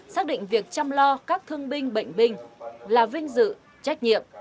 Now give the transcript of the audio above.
xác định việc chăm lo các thương binh bệnh binh là vinh dự trách nhiệm